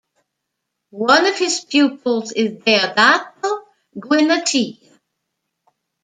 One of his pupils is Deodato Guinaccia.